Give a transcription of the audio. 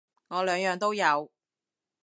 我兩樣都有